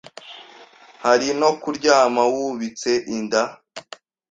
Hari no kuryama wubitse inda,